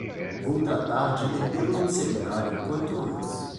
vou tratar de metê-lo no seminário quanto antes.